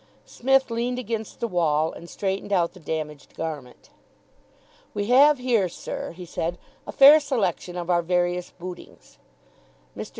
Psmith leaned against the wall, and straightened out the damaged garment. "We have here, sir," he said, "a fair selection of our various bootings." Mr.